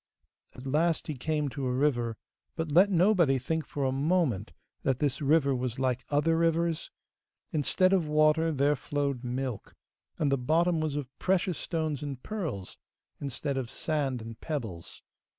At last he came to a river, but let nobody think for a moment that this river was like other rivers? Instead of water, there flowed milk, and the bottom was of precious stones and pearls, instead of sand and pebbles.